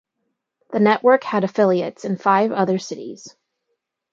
The network had affiliates in five other cities.